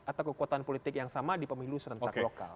atau kekuatan politik yang sama di pemilu serentak lokal